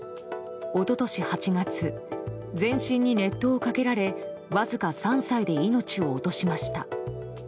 一昨年８月全身に熱湯をかけられわずか３歳で命を落としました。